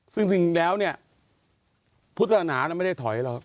ซึ่งสิ่งแล้วเนี่ยพุทธศาสนานั้นไม่ได้ถอยเรา